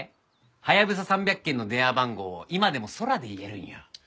ハヤブサ３００軒の電話番号を今でもそらで言えるんよ。